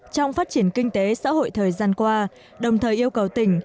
trong phát triển kinh tế xã hội thời gian qua đồng thời yêu cầu tỉnh